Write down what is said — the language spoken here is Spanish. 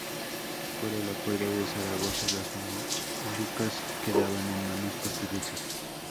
Por el acuerdo de Zaragoza, las Molucas quedaban en manos portuguesas.